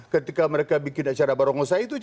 ketika mereka bikin acara barongosa itu